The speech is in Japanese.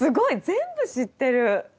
全部知ってる！